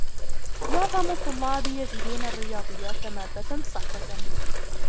. معظم الطّلاب يجدون الرّياضيات مادّة صعبة